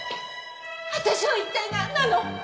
私は一体なんなの？